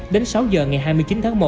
đến sáu giờ ngày hai mươi chín tháng một